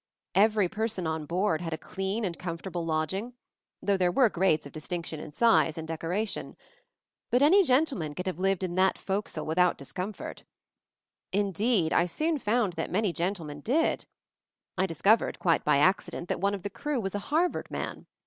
Every person on board had a clean and comfortable lodging, though there were grades of distinction in size and decoration. But any gentleman could have lived in that "foks'le" without discomfort. Indeed, I soon found that many gentlemen did. I discovered, quite by accident, that one of the crew was a Harvard man.